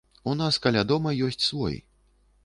У нас каля дома ёсць свой.